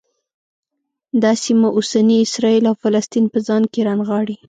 دا سیمه اوسني اسرایل او فلسطین په ځان کې رانغاړي.